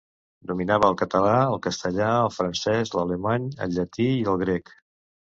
Dominava el català, el castellà, el francès, l'alemany, el llatí i el grec.